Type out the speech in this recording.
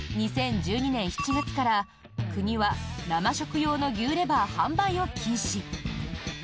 ２０１２年７月から、国は生食用の牛レバー販売を禁止。